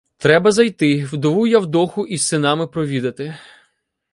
— Треба зайти, вдову Явдоху із синами провідати.